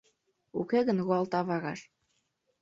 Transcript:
Уке гын руалта вараш.